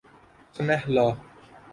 Sinhala